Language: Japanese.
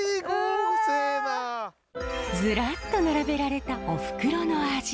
ずらっと並べられたおふくろの味。